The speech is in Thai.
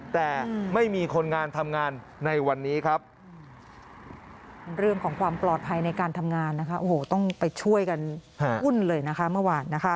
แต่ไม่มีคนงานทำงานในวันนี้ครับ